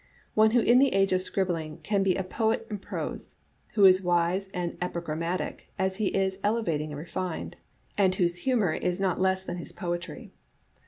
one who in the age of scribbling can be a poet in prose, who is wise and epigrammatic as he is elevating and refined, and whose humor is not less than his poetry.